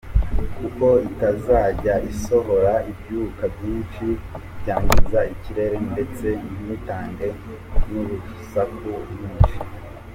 Kuko itazajya isohora ibyuka byinshi byangiza ikirere ndetse ntitange nurusaku rwinshi.